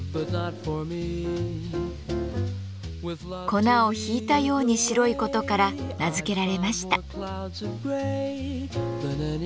粉を引いたように白い事から名付けられました。